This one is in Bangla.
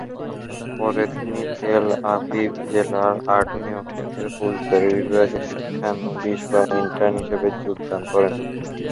পরে তিনি তেল আভিভ জেলার অ্যাটর্নি অফিসের ফৌজদারি বিভাগে শিক্ষানবিশ বা ইন্টার্ন হিসেবে যোগদান করেন।